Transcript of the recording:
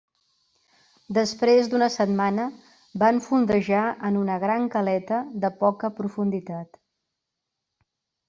Després d'una setmana, van fondejar en una gran caleta de poca profunditat.